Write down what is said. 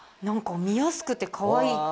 見やすくてかわいい。